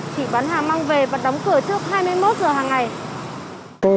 chỉ bán hàng mang về và đóng cửa trước hai mươi một giờ hàng ngày